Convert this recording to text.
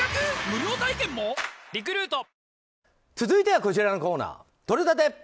続いてはこちらのコーナーとれたて！